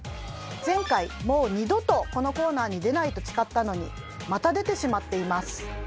前回「もう二度とこのコーナーに出ない」と誓ったのにまた出てしまっています。